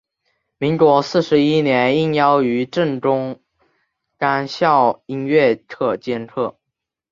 民国四十一年应邀于政工干校音乐科兼课。